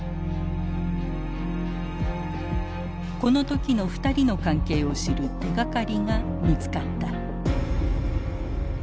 この時の２人の関係を知る手がかりが見つかった。